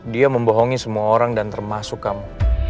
dia membohongi semua orang dan termasuk kamu